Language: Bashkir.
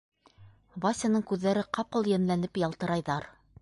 — Васяның күҙҙәре ҡапыл йәнләнеп ялтырайҙар.